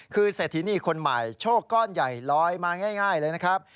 คือเศรษฐินีคนใหม่โชคก้อนใหญ่ลอยมาง่ายเลยนะครับ